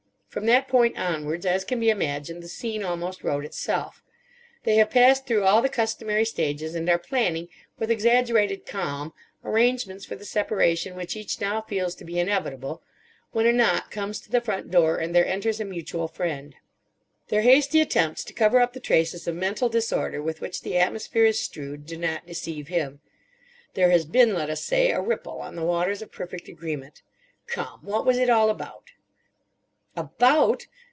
From that point onwards, as can be imagined, the scene almost wrote itself. They have passed through all the customary stages, and are planning, with exaggerated calm, arrangements for the separation which each now feels to be inevitable, when a knock comes to the front door, and there enters a mutual friend. Their hasty attempts to cover up the traces of mental disorder with which the atmosphere is strewed do not deceive him. There has been, let us say, a ripple on the waters of perfect agreement. Come! What was it all about? "About!"